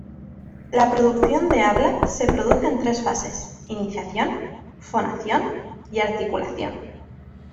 La producción de habla se produce en tres fases: iniciación, fonación y articulación.